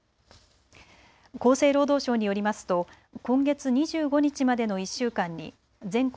厚生労働省によりますと今月２５日までの１週間に全国